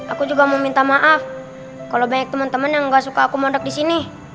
aku juga mau minta maaf kalau banyak teman teman yang gak suka aku mondok di sini